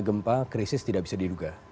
gempa krisis tidak bisa diduga